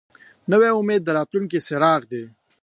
نوی امید د راتلونکي څراغ دی